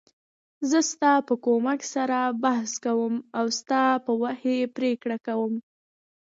زه ستا په کومک سره بحث کوم او ستا په وحی پریکړه کوم .